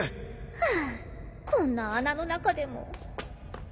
フゥこんな穴の中でも。